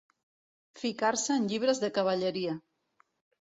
Ficar-se en llibres de cavalleria.